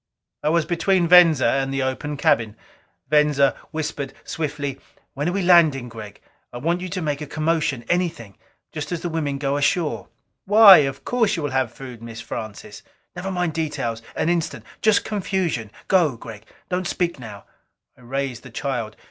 I was between Venza and the open cabin. Venza whispered swiftly, "When we are landing, Gregg, I want you to make a commotion anything just as the women go ashore." "Why? Of course you will have food, Mrs. Francis." "Never mind details! An instant just confusion. Go, Gregg don't speak now!" I raised the child.